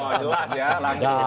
oh jelas ya